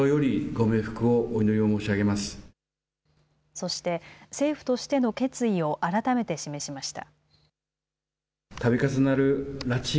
そして、政府としての決意を改めて示しました。